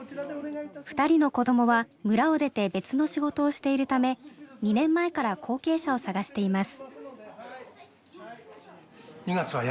２人の子どもは村を出て別の仕事をしているため２年前から後継者を探しています。